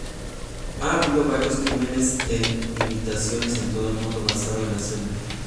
Ha habido varios crímenes e imitaciones en todo el mundo basados en la serie.